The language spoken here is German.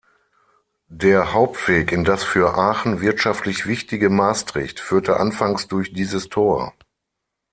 Der Hauptweg in das für Aachen wirtschaftlich wichtige Maastricht führte anfangs durch dieses Tor.